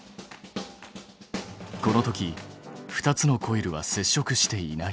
このとき２つのコイルは接触していない。